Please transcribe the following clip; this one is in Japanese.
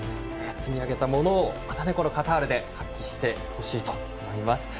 積み上げたものをまたカタールで発揮してほしいと思います。